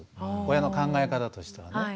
親の考え方としてはね。